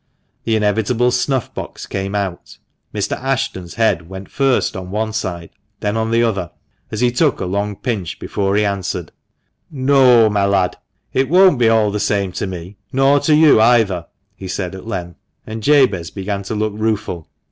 The inevitable snuff box came out, Mr. Ashton's head went first on one side, then on the other, as he took a long pinch before he answered. " No, my lad, it won't be all the same to me, nor to you either," he said, at length, and Jabez began to look rueful.